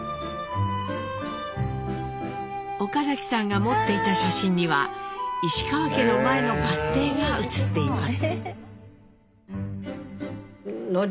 岡嵜さんが持っていた写真には石川家の前のバス停が写っています。